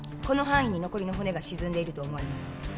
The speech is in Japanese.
この範囲に残りの骨が沈んでいると思われます